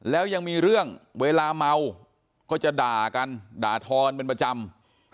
แล้วยังมีเรื่องเวลาเมาก็จะด่ากันด่าทอกันเป็นประจำ